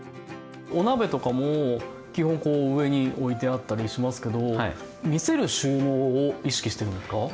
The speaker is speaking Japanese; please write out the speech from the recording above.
お鍋とかも基本こう上に置いてあったりしますけど見せる収納を意識してるんですか？